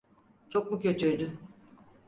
Çok mu kötüydü?